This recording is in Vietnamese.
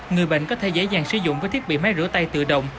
người bệnh có thể dễ dàng sử dụng với thiết bị máy rửa tay tự động